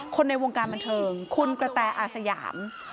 ในวงการบันเทิงคุณกระแตอาสยาม